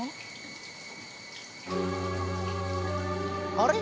あれ？